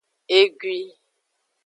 Egui.